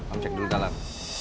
om cek dulu dalam